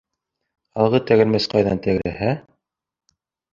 Алғы тәгәрмәс ҡайҙан тәгәрәһә